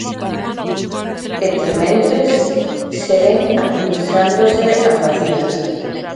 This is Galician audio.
Entrementres, seguen administrándose as vacinas.